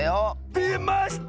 でました！